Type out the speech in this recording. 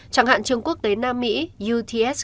chẳng hạn trường quốc tế nam mỹ uts